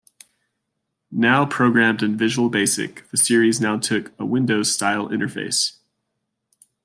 Now programmed in Visual Basic, the series now took a Windows style interface.